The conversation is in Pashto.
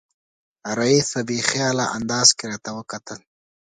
رییس په بې خیاله انداز کې راته وکتل.